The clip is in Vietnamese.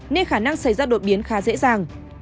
nên khả năng xảy ra đột biến khá dễ dàng